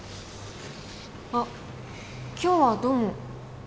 あっ今日はどうも。